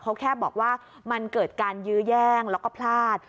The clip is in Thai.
เขาแค่บอกว่ามันเกิดการยื้อแย่งแล้วก็พลาด